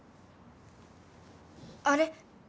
あれ？